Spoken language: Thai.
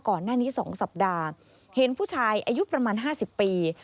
ก่อนหน้านี้๒สัปดาห์เห็นผู้ชายอายุประมาณ๕๐ปี